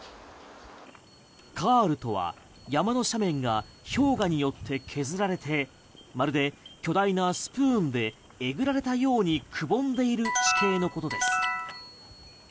カールとは山の斜面が氷河によって削られてまるで巨大なスプーンでえぐられたようにくぼんでいる地形のことです。